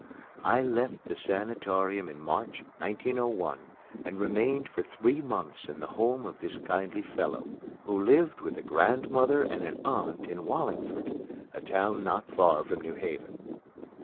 I left the sanatorium in March, 1901, and remained for three months in the home of this kindly fellow, who lived with a grandmother and an aunt in Wallingford, a town not far from New Haven.